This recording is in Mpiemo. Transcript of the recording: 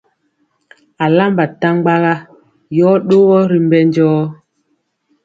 Alamba ntaɓaga yɔ ɗogɔ ri mbɛ jɔɔ.